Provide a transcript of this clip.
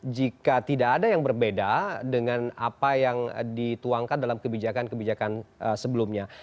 jika tidak ada yang berbeda dengan apa yang dituangkan dalam kebijakan kebijakan sebelumnya